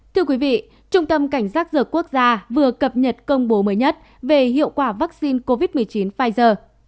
thưa quý vị trung tâm cảnh giác rửa quốc gia vừa cập nhật công bố mới nhất về hiệu quả vaccine covid một mươi chín pfizer